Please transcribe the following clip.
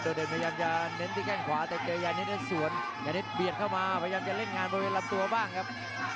แต่เจอยานิดต้านส่วนยานิดเบียดเข้ามาพยายามจะเล่นงานมีระเบิดตัวบ้างครับ